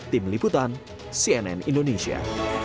tim liputan cnn indonesia